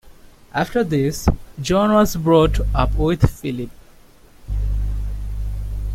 After this, Joan was brought up with Philip.